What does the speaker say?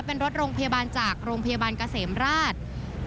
เป็นรถโรงพยาบาลจากโรงพยาบาลเกษมราช